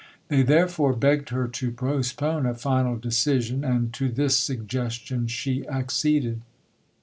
They, therefore, begged her to postpone a final decision, and to this suggestion she acceded.